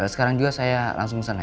sekarang juga saya langsung kesana